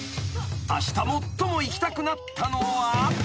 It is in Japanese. ［あした最も行きたくなったのは？］